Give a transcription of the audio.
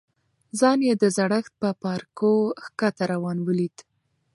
ځان یې د زړښت په پاړکو ښکته روان ولید.